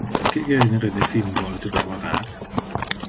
Que genere de film vole tu reguardar?